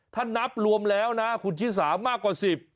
ถ้านับรวมแล้วนะคุณชิสามากกว่า๑๐